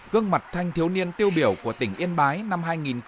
gương mặt thanh thiếu niên tiêu biểu của tỉnh yên bái năm hai nghìn một mươi chín